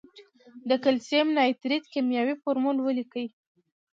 د کلسیم نایتریت کیمیاوي فورمول ولیکئ.